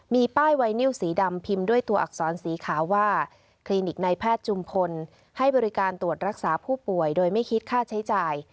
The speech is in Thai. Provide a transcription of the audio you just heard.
มีป้ายไวนิวสีดำพิมพ์ด้วยตัวอักษรสีขาวว่าคลินิกในแพทย์จุมพลให้บริการตรวจรักษาผู้ป่วยโดยไม่คิดค่าใช้จ่าย